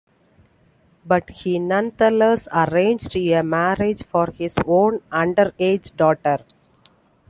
But he nonetheless arranged a marriage for his own underage daughter.